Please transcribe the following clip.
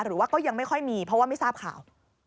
หรือว่าก็ยังไม่ค่อยมีเพราะว่าไม่ทราบข่าว